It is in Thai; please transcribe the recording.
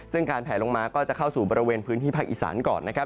ซึ่งการแผลลงมาก็จะเข้าสู่บริเวณพื้นที่ภาคอีสานก่อนนะครับ